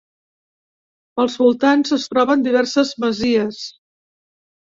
Pels voltants es troben diverses masies.